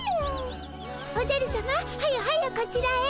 おじゃるさまはよはよこちらへ。